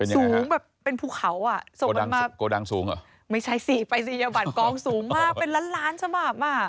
สูงแบบเป็นภูเขา